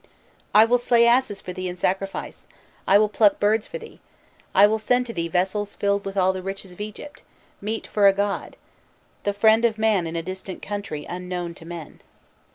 "I will slay asses for thee in sacrifice, I will pluck birds for thee, I will send to thee vessels filled with all the riches of Egypt, meet for a god, the friend of man in a distant country unknown to men."